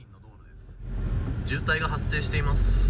渋滞が発生しています。